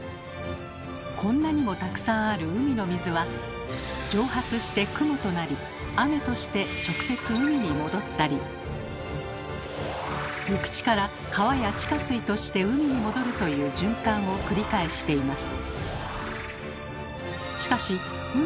こんなにもたくさんある海の水は蒸発して雲となり雨として直接海に戻ったり陸地から川や地下水として海に戻るという循環を繰り返しています。